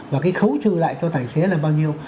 và cái khấu trừ lại cho tài xế là bao nhiêu